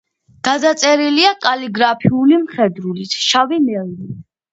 გადაწერილია კალიგრაფიული მხედრულით, შავი მელნით.